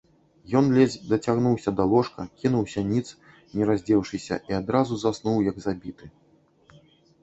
Ён ледзь дацягнуўся да ложка, кінуўся ніц, не раздзеўшыся, і адразу заснуў як забіты.